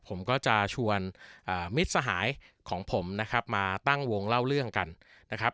ผมก็จะชวนมิตรสหายของผมนะครับมาตั้งวงเล่าเรื่องกันนะครับ